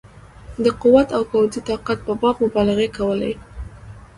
د قوت او پوځي طاقت په باب مبالغې کولې.